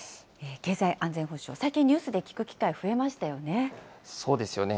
経済安全保障、最近、ニュースで聞く機会、増えましたよね？